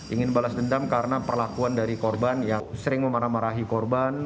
ingin balas dendam karena perlakuan dari korban yang sering memarah marahi korban